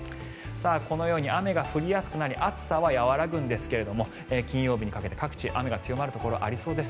このように雨が降りやすくなり暑さは和らぐんですが金曜日にかけて各地雨が強まるところがありそうです。